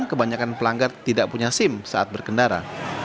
kebanyakan pelanggar tidak punya sim saat berkendara